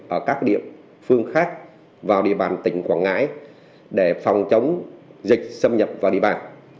ở các địa phương khác vào địa bàn tỉnh quảng ngãi để phòng chống dịch xâm nhập vào địa bàn